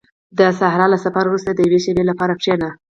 • د صحرا له سفر وروسته د یوې شېبې لپاره کښېنه.